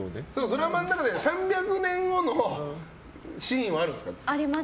ドラマの中で３００年後のシーンはあるんですか。